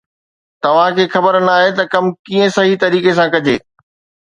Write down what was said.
توهان کي خبر ناهي ته ڪم ڪيئن صحيح طريقي سان ڪجي